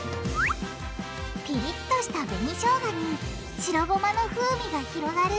ピリッとした紅しょうがに白ごまの風味が広がる